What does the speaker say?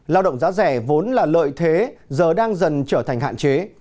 lao động giá rẻ vốn là lợi thế giờ đang dần trở thành hạn chế